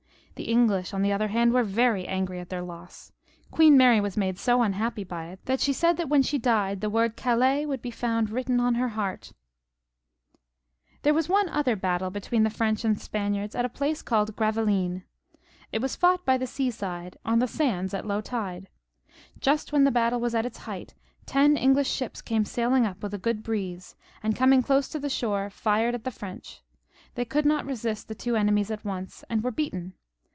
The English, on the other hand, were very angry at their loss. Queen Mary was made so unhappy by it that she said that when she died the word " Calais " would be found written on her heart. xxxvL] HENRY IL 261 ■.. ^j III IIMIIIIIIIII I There was one other battle between the French and Spaniards at a place called Gravelines. It was fought by the sea side, on the sands at low tide. Just when the battle was at its height ten English ships came sailing up with a good breeze, and coming close to the shore, fired at the French, They could not resist the two enemies at once, and were beaten.